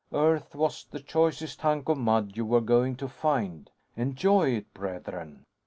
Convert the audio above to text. Earth was the choicest hunk of mud you were going to find. _Enjoy it, brethren.